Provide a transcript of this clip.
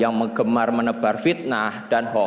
yang menggemar menebar fitnah dan hoax